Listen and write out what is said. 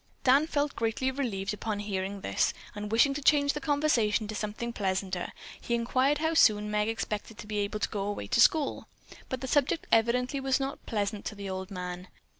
Dan felt greatly relieved upon hearing this, and wishing to change the conversation to something pleasanter, he inquired how soon Meg expected to be able to go away to school. But the subject evidently was not pleasant to the old man.